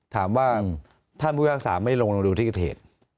ถามค่ะท่านพฤศาสนีรไม่ได้ลงมาดูทิ้งค้าเทศ